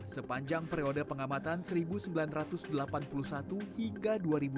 sepanjang periode pengamatan seribu sembilan ratus delapan puluh satu hingga dua ribu dua puluh